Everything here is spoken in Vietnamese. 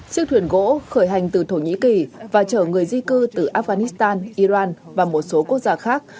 chiếc thuyền gỗ khởi hành từ thổ nhĩ kỳ và chở người di cư từ afghanistan iran và một số quốc gia khác